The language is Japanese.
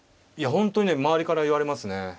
本当にね周りから言われますね。